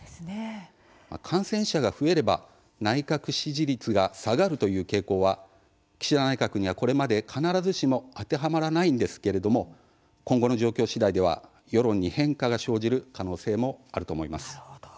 感染者が増えれば内閣支持率が下がるという傾向は岸田内閣にはこれまで、必ずしも当てはまらないんですけれども今後の状況しだいでは世論に変化が生じる可能性もあると思います。